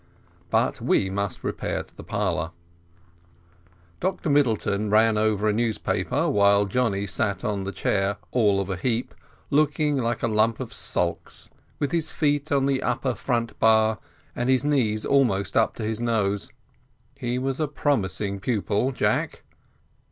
But we must repair to the parlour. Dr Middleton ran over a newspaper, while Johnny sat on the chair all of a heap, looking like a lump of sulks, with his feet on the upper front bar, and his knees almost up to his nose. He was a promising pupil, Jack.